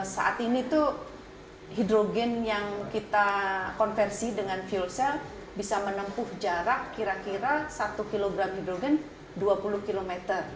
saat ini tuh hidrogen yang kita konversi dengan fuel cell bisa menempuh jarak kira kira satu kg hidrogen dua puluh km